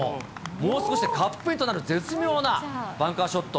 もう少しでカップインとなる絶妙なバンカーショット。